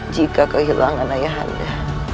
jika kehilangan ayah anda